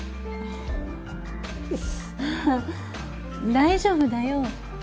大丈夫だよ。